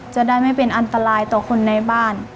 จะได้ไม่เป็นอันตรายต่อคนในบ้าน